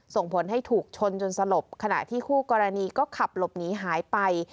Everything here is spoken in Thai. ส่งผลให้ถูกชนจนสลบขณะที่คู่กรณีก็ขับหลบหนีหายไป